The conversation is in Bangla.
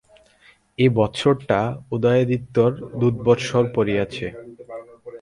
এই বৎসরটা উদয়াদিত্যের দুর্বৎসর পড়িয়াছে।